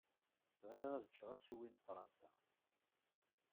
Bɣiɣ ad cceɣ assewwi n Fṛansa.